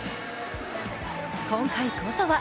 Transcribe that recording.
今回こそは。